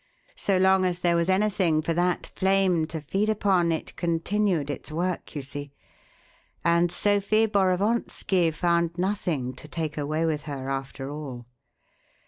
So long as there was anything for that flame to feed upon it continued its work, you see, and Sophie Borovonski found nothing to take away with her, after all.